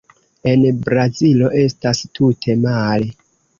En Brazilo estas tute male.